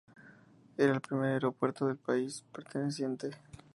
Era el primer aeropuerto del país perteneciente.